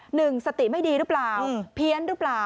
หนึ่งสติไม่ดีหรือเปล่าเพี้ยนหรือเปล่า